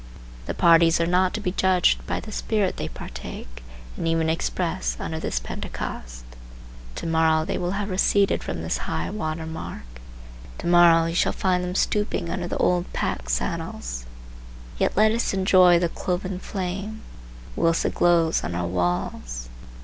The parties are not to be judged by the spirit they partake and even express under this Pentecost. To morrow they will have receded from this high water mark. To morrow you shall find them stooping under the old pack saddles. Yet let us enjoy the cloven flame whilst it glows on our walls.